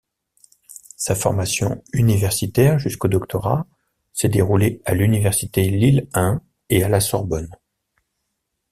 Sa formation universitaire jusqu'au doctorat s'est déroulée à l'université Lille-I et à la Sorbonne.